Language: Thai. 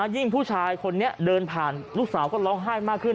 ผู้ชายคนนี้เดินผ่านลูกสาวก็ร้องไห้มากขึ้น